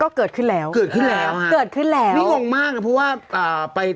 ก็เกิดขึ้นแล้วค่ะวิ่งงงมากนะเพราะว่าไป